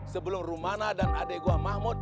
sebelum rumana dan adik gua mahmud